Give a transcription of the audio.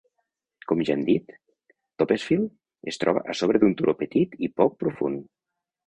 Com ja hem dit, Toppesfield es troba a sobre d'un turó petit i poc profund.